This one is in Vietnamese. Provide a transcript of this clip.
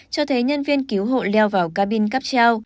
cho thấy nhân viên cứu hộ leo vào cabin cắp treo